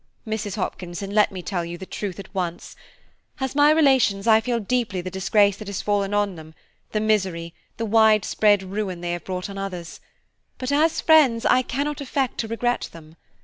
Mrs. Hopkinson, let me tell you all truth at once; as my relations, I feel deeply the disgrace that has fallen on them, the misery, the wide spread ruin they have brought on others; but as friends, I cannot affect to regret them.